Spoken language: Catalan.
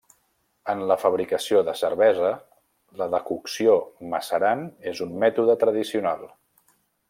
En la fabricació de cervesa, la decocció macerant és un mètode tradicional.